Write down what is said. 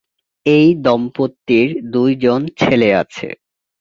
এই দম্পতির দুইজন ছেলে আছে।